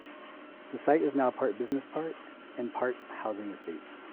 The site is now part business park and part housing estate.